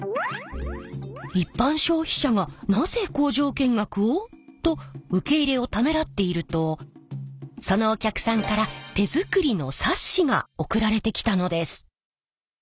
一般消費者がなぜ工場見学を？と受け入れをためらっているとそのお客さんから手作りの冊子が送られてきたのです。